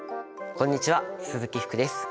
こんにちは鈴木福です。